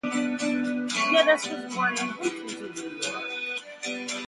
Geddes was born in Huntington, New York.